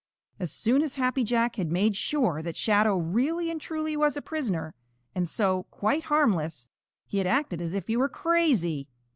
As soon as Happy Jack had made sure that Shadow really and truly was a prisoner and so quite harmless, he had acted as if he were crazy.